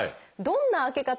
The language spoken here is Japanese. どんな開け方？